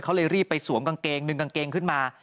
เขาเลยรีบไปสวมกางเกงดึงกางเกงขึ้นมา